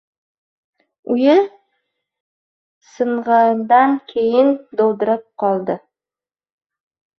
Uyi sing‘andan keyin dovdirab qoldi